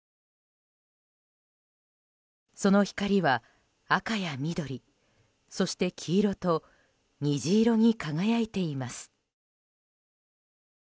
その光は赤や緑、そして黄色と虹色に輝いています。